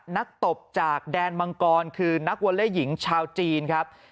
ตบจากแดนมังกรคือนักวอเล่หญิงชาวจีนครับ